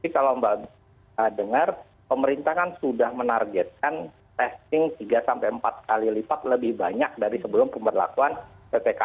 kalau mbak dengar pemerintah kan sudah menargetkan testing tiga empat kali lipat lebih banyak dari sebelum pemberlakuan ppkm